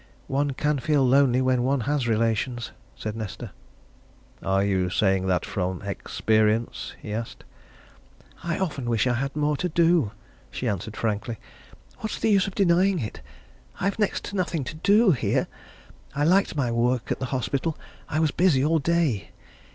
"One can feel lonely when one has relations," said Nesta. "Are you saying that from experience?" he asked. "I often wish I had more to do," she answered frankly. "What's the use of denying it? I've next to nothing to do, here. I liked my work at the hospital I was busy all day.